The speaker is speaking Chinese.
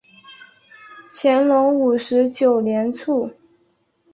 乾隆五十九年卒。